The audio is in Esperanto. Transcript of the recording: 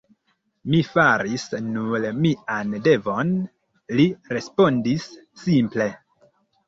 Mi faris nur mian devon, li respondis simple.